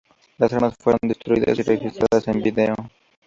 Las armas fueron destruidas y registradas en vídeo.